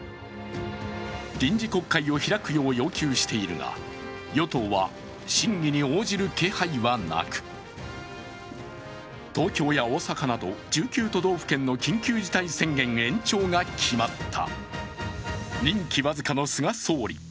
臨時国会を開くよう要求しているが与党は審議に応じる気配はなく東京や大阪など１９都道府県の緊急事態宣言延長が決まった。